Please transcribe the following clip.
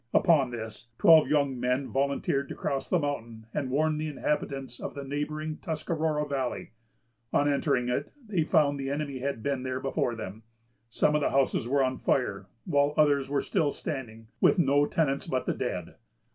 Upon this, twelve young men volunteered to cross the mountain, and warn the inhabitants of the neighboring Tuscarora valley. On entering it, they found that the enemy had been there before them. Some of the houses were on fire, while others were still standing, with no tenants but the dead.